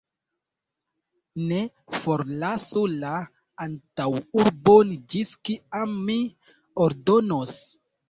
Ne forlasu la antaŭurbon, ĝis kiam mi ordonos!